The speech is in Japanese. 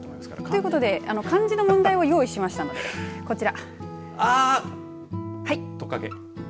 ということで漢字の問題を用意しましたのでこちら。